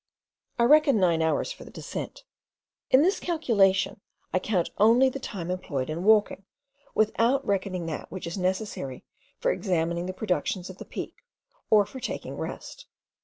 I reckon nine hours for the descent. In this calculation I count only the time employed in walking, without reckoning that which is necessary for examining the productions of the Peak, or for taking rest.